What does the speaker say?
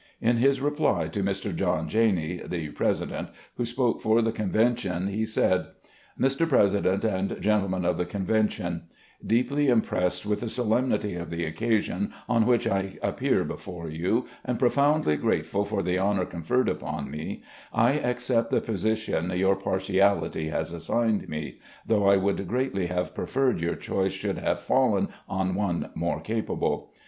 In his reply to Mr. John Janney, the President, who spoke for the Convention, he said: "Mr. President and Gentlemen of the Convention: Deeply impressed with the solemnity of the occasion on wWch I appear before you, and profoundly grate ftil for the honour conferred upon me, I accept the position your partiality has assigned me, though I would greatly have preferred yoiu: choice should have fallen on one more capable.